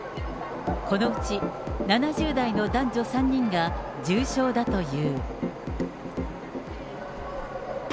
このうち７０代の男女３人が重症だという。